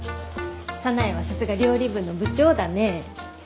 早苗はさすが料理部の部長だね。